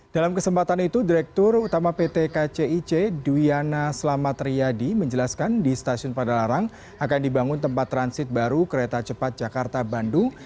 dalam kesempatan itu direktur utama pt kcic dwiana selamat riyadi menjelaskan di stasiun padalarang akan dibangun tempat transit baru kereta cepat jakarta bandung